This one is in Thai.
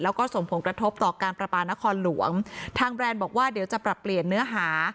แล้วก็ส่งผลกระทบต่อการประปานครหลวงทางแบรนด์บอกว่าเดี๋ยวจะปรับเปลี่ยนเนื้อหา